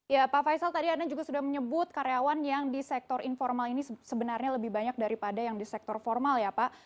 ya pak faisal tadi anda juga sudah menyebut karyawan yang di sektor informal ini sebenarnya lebih banyak daripada yang di sektor formal ya pak